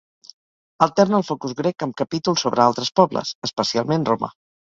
Alterna el focus grec amb capítols sobre altres pobles, especialment Roma.